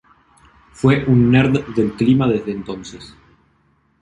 Fui un nerd del clima desde entonces".